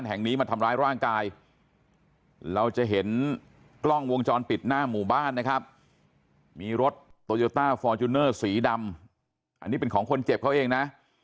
อันนี้เป็นของคนเจ็บเขาเองนะ